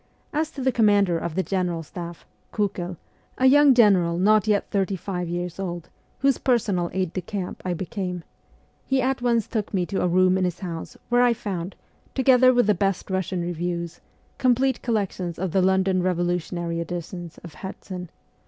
As to the commander of the General Staff, Kukel a young general not yet thirty five years old, whose personal aide de camp I became he at once took me to a room in his house, where I found, together with the best Kussian reviews, complete collections of the London revolutionary editions of Herzen.